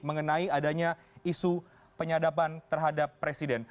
mengenai adanya isu penyadapan terhadap presiden